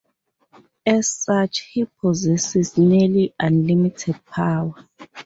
As such, he possesses nearly unlimited power.